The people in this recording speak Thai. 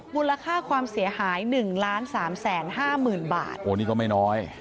มูลค่าความเสียหาย๑๓๕๐๐๐๐บาทโอ้นี่ก็ไม่น้อย